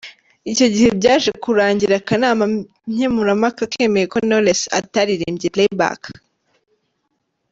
Icyo gihe byaje kurangira akanama nkemurampaka kemeye ko Knowless ataririmbye Playback.